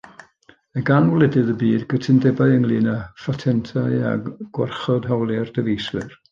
Mae gan wledydd y byd gytundebau ynglŷn â phatentau a gwarchod hawliau'r dyfeisiwr.